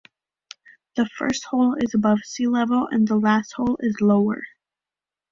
The first hole is above sea level and the last hole is lower.